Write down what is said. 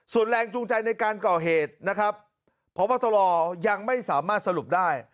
ส่วนแรงจูงใจในการก่อเหตุนะครับพบตรยังไม่สามารถสรุปได้